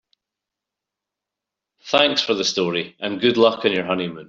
Thanks for the story and good luck on your honeymoon.